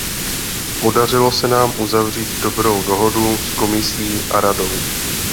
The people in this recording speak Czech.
Podařilo se nám uzavřít dobrou dohodu s Komisí a Radou.